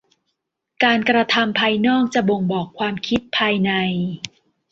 การกระทำภายนอกจะบ่งบอกความคิดภายใน